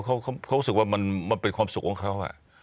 เขารู้สึกว่ามันเป็นความสุขของเขา